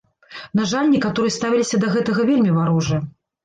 На жаль, некаторыя ставіліся да гэтага вельмі варожа.